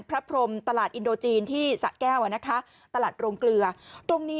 พรมตลาดอินโดจีนที่สะแก้วตลาดโรงเกลือตรงนี้